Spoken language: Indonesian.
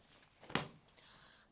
aku mau pergi